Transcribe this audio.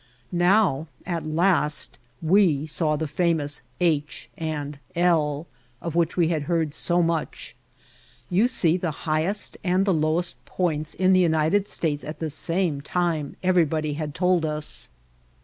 Now, at last, we saw the famous "H. and L." of which we had heard so much. "You see the highest and the lowest points in the United States at the same time," everybody had told us.